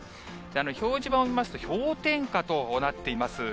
ひょうじばんを見ますと氷点下となっています。